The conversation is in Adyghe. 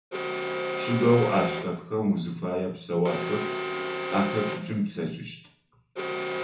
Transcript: Чъыгэу ащ хэтхэм узыфае псэуалъэхэр ахэпшӏыкӏын плъэкӏыщт.